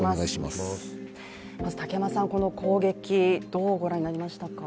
まず竹山さん、この攻撃どうご覧になりましたか？